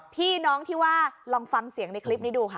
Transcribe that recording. พี่น้องที่ว่าลองฟังเสียงในคลิปนี้ดูค่ะ